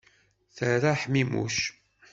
Terra ḥmimuc.